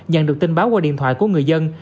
nhận được tin báo qua điện thoại của người dân